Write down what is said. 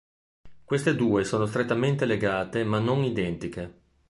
Queste due sono strettamente legate ma non identiche.